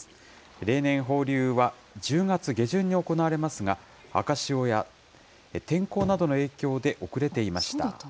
例年、放流は１０月下旬に行われますが、赤潮や天候などの影響で遅れていました。